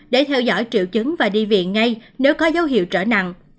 để theo dõi triệu chứng và đi viện ngay nếu có dấu hiệu trở nặng